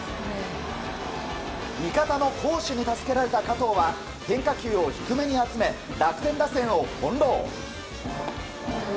味方の好守に助けられた加藤は変化球を低めに集め楽天打線を翻弄。